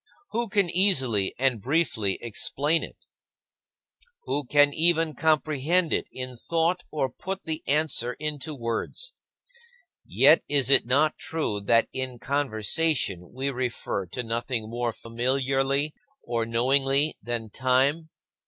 Who can easily and briefly explain it? Who can even comprehend it in thought or put the answer into words? Yet is it not true that in conversation we refer to nothing more familiarly or knowingly than time?